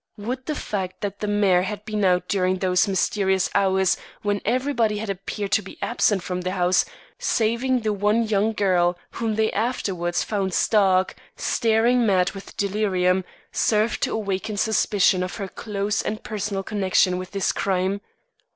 Would the fact that the mare had been out during those mysterious hours when everybody had appeared to be absent from the house, saving the one young girl whom they afterwards found stark, staring mad with delirium, serve to awaken suspicion of her close and personal connection with this crime?